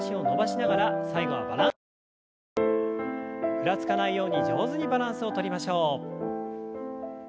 ふらつかないように上手にバランスをとりましょう。